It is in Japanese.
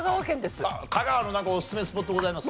香川のなんかおすすめスポットございます？